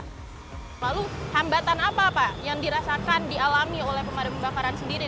lalu hambatan apa pak yang dirasakan dialami oleh pemadam kebakaran sendiri